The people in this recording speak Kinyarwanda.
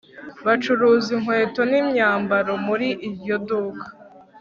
Bacuruza inkweto nimyambaro muri iryo duka